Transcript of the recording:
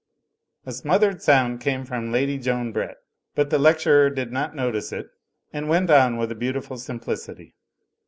A smothered soimd came from Lady Joan Brett, but the lecturer did not notice it and went on with a beautiful simplicity.